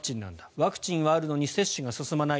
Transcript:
ワクチンがあるのに接種が進まない。